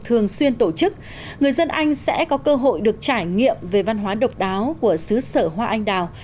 thường xuyên tổ chức người dân anh sẽ có cơ hội được trải nghiệm về văn hóa độc đáo của xứ sở hoa anh đào